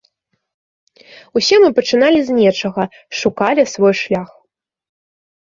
Усе мы пачыналі з нечага, шукалі свой шлях.